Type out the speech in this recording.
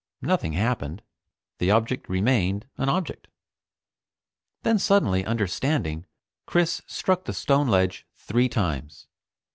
Nothing happened. The object remained an object. Then, suddenly understanding, Chris struck the stone ledge three times.